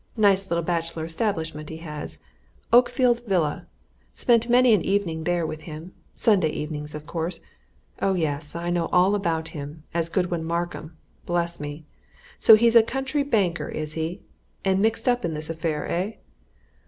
Nice little bachelor establishment he has Oakfield Villa. Spent many an evening there with him Sunday evenings, of course. Oh, yes I know all about him as Godwin Markham. Bless me! so he's a country banker, is he? And mixed up in this affair, eh?